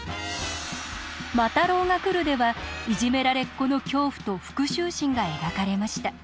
「魔太郎がくる！！」ではいじめられっ子の恐怖と復讐心が描かれました。